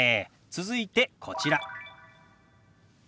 続いてこちら。